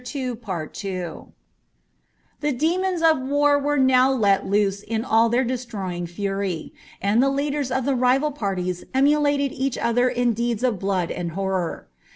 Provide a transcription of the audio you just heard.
ITS Tlie demons of war were now let loose in all their destroying fary, «nd the leaders of the rival parties emulated each other in deeds ol Mood and horror.